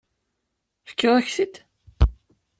Fkiɣ-ak-t-id?